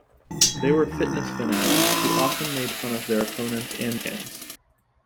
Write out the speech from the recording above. They were fitness fanatics who often made fun of their opponents and the fans.